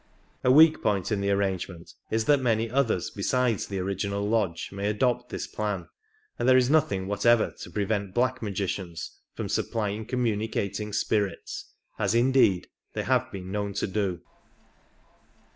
A weak point in the arrangement is that many others besides the original lodge may adopt this plan, and there is nothing whatever to prevent black magicians from supplying communicating spirits" — as, indeed, they have been known to do.